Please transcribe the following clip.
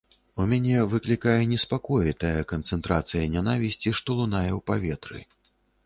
У мяне выклікае неспакой тая канцэнтрацыя нянавісці, што лунае ў паветры.